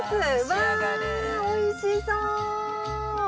わあおいしそう！